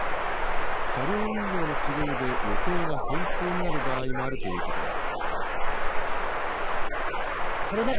車両運用の都合で予定が変更になる場合もあるということです。